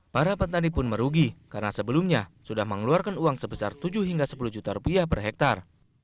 para petani pun merugi karena sebelumnya sudah mengeluarkan uang sebesar tujuh hingga sepuluh juta rupiah per hektare